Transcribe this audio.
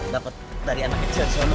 dapet dari anak kecil